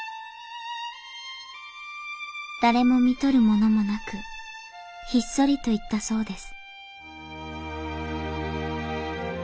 誰もみとる者もなくひっそりと逝ったそうです